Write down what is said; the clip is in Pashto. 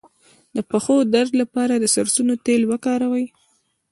د پښو درد لپاره د سرسونو تېل وکاروئ